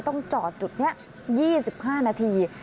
ต้องจอดจุดนี้๒๕นาที